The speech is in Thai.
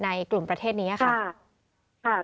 ในกลุ่มประเทศนี้ค่ะค่ะค่ะ